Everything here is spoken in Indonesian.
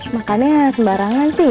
makannya sembarangan sih